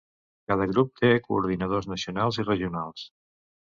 Cada grup té coordinadors nacionals i regionals.